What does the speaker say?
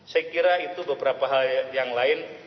saya kira itu beberapa hal yang lain